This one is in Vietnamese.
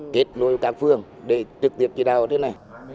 kết nối với các phương để trực tiếp chỉ đào ở trên này